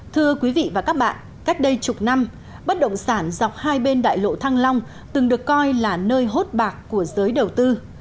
thưa quý vị và các bạn cách đây chục năm bất động sản dọc hai bên đại lộ thăng long từng được coi là nơi hốt bạc của giới đầu tư